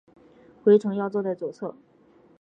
回程要坐在左侧